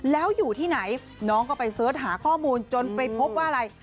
แล้วอยู่ที่ไหนน้องก็ไปเสิร์ชหาข้อมูลจนไปพบว่าอะไร